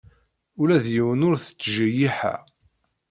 Ula d yiwen ur t-ttjeyyiḥeɣ.